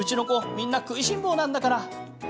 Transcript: みんな食いしん坊なんだから！